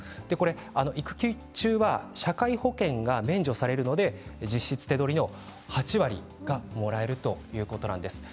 育休中は社会保険が免除されるので実質手取りの８割がもらえるということなんです。